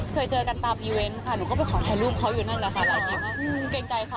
เคยเจอกันตามยูเอ็นต์ค่ะหนูก็ไปขอแทนรูปเขาอยู่นั่นแหละค่ะหลายทีมากเกรงใกล้เขา